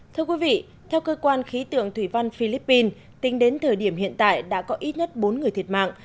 thưa quý vị theo cơ quan khí tượng thủy văn philippines tính đến thời điểm hiện tại đã có ít nhất bốn người thiệt mạng